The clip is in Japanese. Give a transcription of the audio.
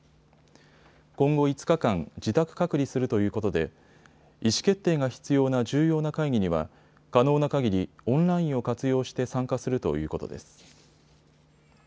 今後５日間、自宅隔離するということで意思決定が必要な重要な会議には可能なかぎりオンラインを活用して参加するということです。